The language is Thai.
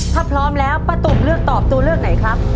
ถ้าพร้อมแล้วป้าตุ๋มเลือกตอบตัวเลือกไหนครับ